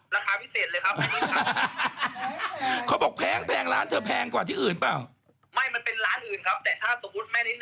ละคราวิเศษเลยครับมานิดครับ